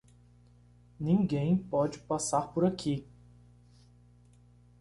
Ninguém pode passar por aqui!